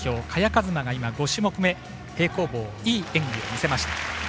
萱和磨が今５種目め、平行棒でいい演技を見せました。